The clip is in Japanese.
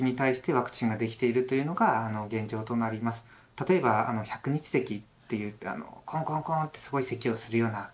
例えば「百日せき」といってコンコンコンってすごいせきをするような病気ですね。